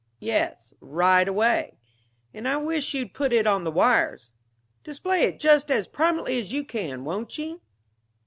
Yes, right away. And I wish you'd put it on the wires. Display it just as prominently as you can, won't you?...